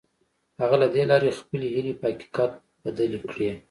هغه له دې لارې خپلې هيلې په حقيقت بدلې کړې.